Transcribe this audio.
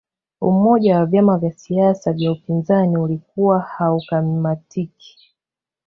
umoja wa vyama vya siasa vya upinzani ulikuwa haukamatiki